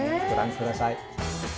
ご覧ください。